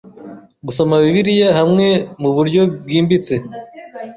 gusoma Bibiliya hamwe muburyo bwimbitse